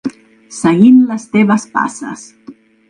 Seguint les teves passes.